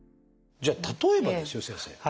じゃあ例えばですよ先生。